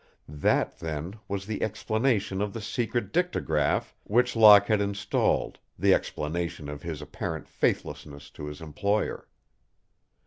That, then, was the explanation of the secret dictagraph which Locke had installed, the explanation of his apparent faithlessness to his employer.